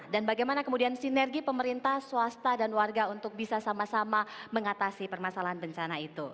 dan bagaimana kemudian sinergi pemerintah swasta dan warga untuk bisa sama sama mengatasi permasalahan bencana itu